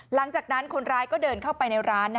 หลังจากนั้นคนร้ายก็เดินเข้าไปในร้าน